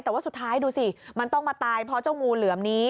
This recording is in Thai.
แต่ว่าสุดท้ายดูสิมันต้องมาตายเพราะเจ้างูเหลือมนี้